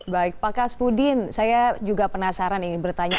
baik pak kas pudin saya juga penasaran ingin bertanya